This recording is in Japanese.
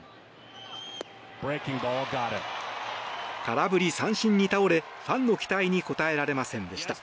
空振り三振に倒れファンの期待に応えられませんでした。